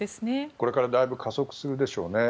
これからだいぶ加速するでしょうね。